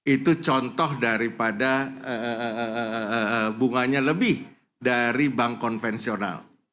itu contoh daripada bunganya lebih dari bank konvensional